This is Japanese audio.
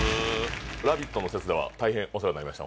「ラヴィット！」の説では大変お世話になりました